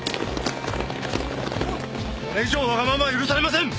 これ以上わがままは許されません。